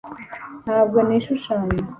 ntabwo nishushanya